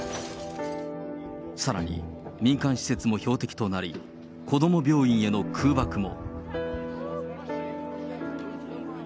さらに、民間施設も標的となり、子ども病院への空爆も。